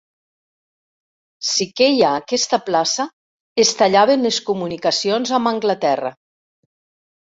Si queia aquesta plaça, es tallaven les comunicacions amb Anglaterra.